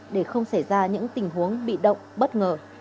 để không xảy ra những tình huống bị động bất ngờ